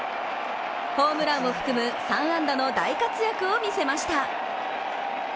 ホームランを含む３安打の大活躍を見せました。